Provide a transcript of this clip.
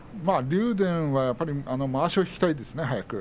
竜電はやはりまわしを引きたいですね